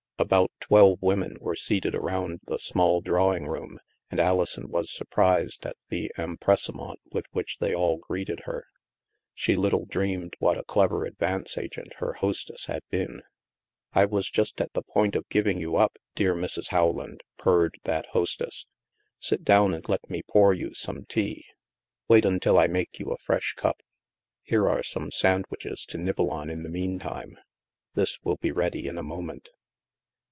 About twelve women were seated around the small drawing room and Alison was surprised at the em pressement with which they all greeted her. She little dreamed what a clever advance agent her hostess had been. " I was just at the point of giving you up, dear Mrs. Rowland," purred that hostess. " Sit down and let me pour you some tea. Wait until I THE MAELSTROM 175 make you a fresh cup. Here are some sandwiches to nibble on, in the meantime. This will be ready in a moment."